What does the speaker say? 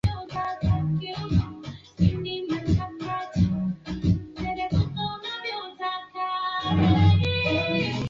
na Mlima Kilimanjaro nyanda yenye rutuba iliyo karibu na Ngorongoro katika miaka ya elfu